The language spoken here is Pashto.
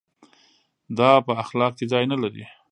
دا په اخلاق کې ځای نه لري.